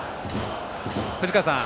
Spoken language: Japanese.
藤川さん